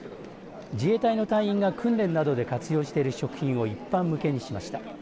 自衛隊の隊員が訓練などで活用している食品を一般向けにしました。